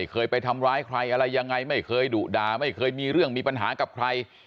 เคยไปทำร้ายใครอะไรยังไงไม่เคยดุด่าไม่เคยมีเรื่องมีปัญหากับใคร